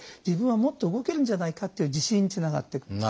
自分はもっと動けるんじゃないかという自信につながっていく。